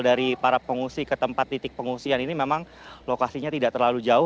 dari para pengungsi ke tempat titik pengungsian ini memang lokasinya tidak terlalu jauh